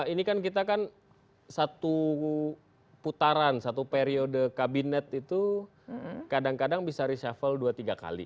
ini kan kita kan satu putaran satu periode kabinet itu kadang kadang bisa reshuffle dua tiga kali